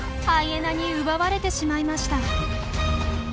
ハイエナに奪われてしまいました。